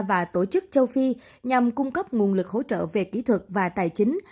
và tổ chức châu phi nhằm cung cấp nguồn lực hỗ trợ về kỹ thuật và tài chính